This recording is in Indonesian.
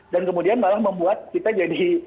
dan kemudian malah membuat kita jadi